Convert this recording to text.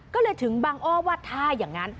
ก็เลยถึงบังอ้อว่าถ้าอย่างนั้น